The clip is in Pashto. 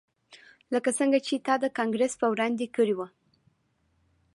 لکه څنګه چې تا د کانګرس په وړاندې کړي وو